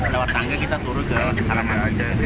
lewat tangga kita turun ke alaman